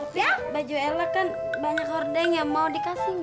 tapi baju ella kan banyak hordenya mau dikasih gak